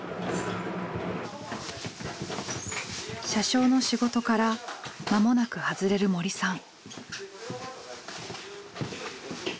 車掌の仕事から間もなく外れる森さん。